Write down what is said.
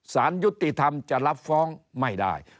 สารยุติธรรมจะรับฟ้องไม่ได้